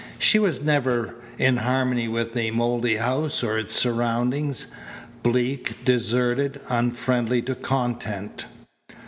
She was never in harmony with the mouldy house or its surroundings, bleak, deserted, unfriendly to content.